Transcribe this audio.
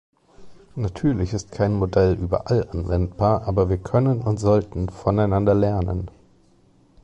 Natürlich ist kein Modell überall anwendbar, aber wir können und sollten voneinander lernen.